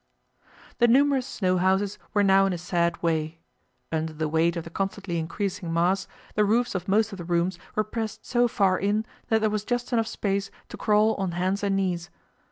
The numerous snow houses were now in a sad way. Under the weight of the constantly increasing mass, the roofs of most of the rooms were pressed so far in that there was just enough space to crawl on hands and knees.